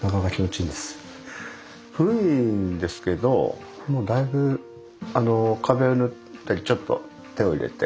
古いんですけどもうだいぶ壁を塗ったりちょっと手を入れて。